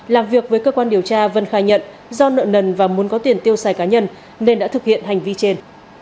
làm việc với cơ quan điều tra vân khai nhận do nợ nần và muốn có tiền tiêu xài cá nhân nên đã thực hiện hành vi trên